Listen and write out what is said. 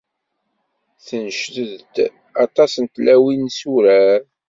Tenced-d aṭas n tlawin s urar.